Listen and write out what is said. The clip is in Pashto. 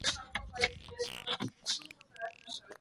کار د زده کړې وسیله ده.